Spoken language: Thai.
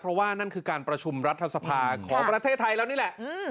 เพราะว่านั่นคือการประชุมรัฐสภาของประเทศไทยแล้วนี่แหละ